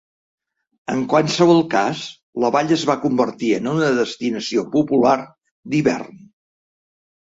En qualsevol cas, la vall es va convertir en una destinació popular d'hivern.